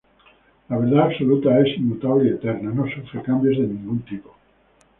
La Verdad absoluta es, inmutable y eterna, no sufre cambios de ningún tipo.